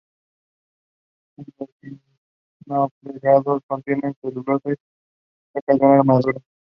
Chernyshkovsky is the nearest rural locality.